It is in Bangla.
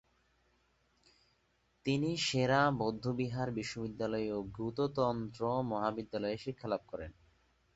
তিনি সে-রা বৌদ্ধবিহার বিশ্ববিদ্যালয়ে ও গ্যুতো তন্ত্র মহাবিদ্যালয়ে শিক্ষালাভ করেন।